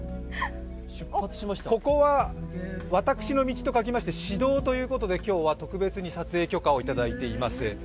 ここは私の道と書きまして私道ということで今日は特別に撮影許可をいただいています。